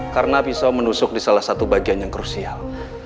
karena pisau menusuk di salah satu bagian yang krusial